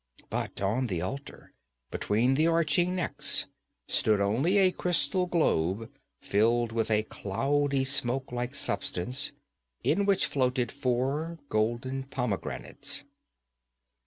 But on the altar, between the arching necks, stood only a crystal globe filled with a cloudy smoke like substance, in which floated four golden pomegranates.